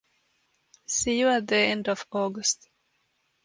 See you at the end of August.